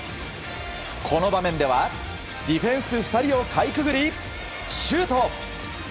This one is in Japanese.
この場面では、ディフェンス２人をかいくぐりシュート！